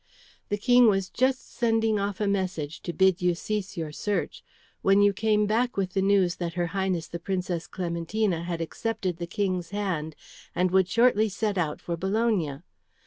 The King was just sending off a message to bid you cease your search when you came back with the news that her Highness the Princess Clementina had accepted the King's hand and would shortly set out for Bologna.